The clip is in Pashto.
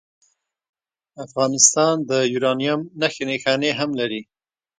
افغانستان د یورانیم نښې نښانې هم لري.